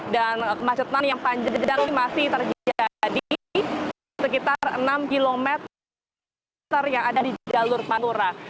dan kemacetan yang panjir di dalam ini masih terjadi sekitar enam km yang ada di jalur pantura